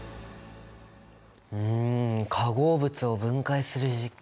うん化合物を分解する実験